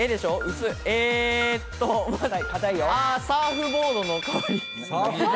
サーフボードの代わり。